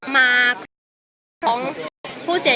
มีแต่โดนล้าลาน